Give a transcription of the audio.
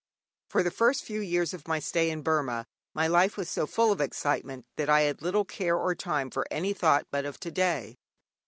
_ For the first few years of my stay in Burma my life was so full of excitement that I had little care or time for any thought but of to day.